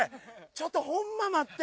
ちょっとホンマ待って。